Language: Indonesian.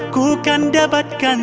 ku kan dapatkan